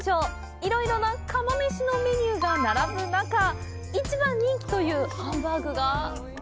いろいろな釜飯のメニューが並ぶ中一番人気というハンバーグが？